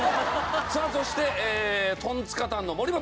さあそしてえートンツカタンの森本。